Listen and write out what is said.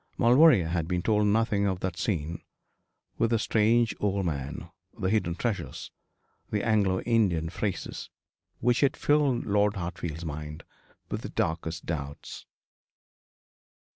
Maulevrier had been told nothing of that scene with the strange old man the hidden treasures the Anglo Indian phrases which had filled Lord Hartfield's mind with the darkest doubts.